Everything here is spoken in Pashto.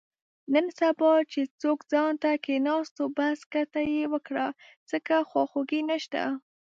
نن سبا چې څوک ځانته کېناستو، بس ګټه یې وکړه، ځکه خواخوږی نشته.